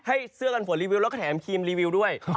เสื้อกันฝนรีวิวแล้วก็แถมครีมรีวิวด้วย